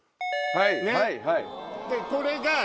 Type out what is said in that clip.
はい！